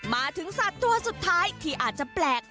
มาถึงสัตว์ตัวสุดท้ายที่อาจจะแปลก